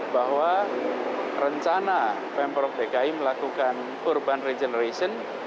bahwa rencana pemprov dki melakukan urban regeneration